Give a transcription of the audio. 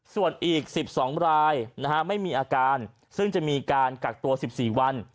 ส่วนอีก๑๒รายไม่มีอาการซึ่งจะมีการกักตัว๑๔วัน